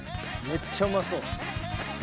めっちゃうまそう。